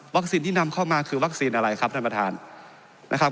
ที่นำเข้ามาคือวัคซีนอะไรครับท่านประธานนะครับ